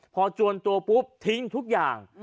พอจวนตัวปุ๊บทิ้งทุกอย่าง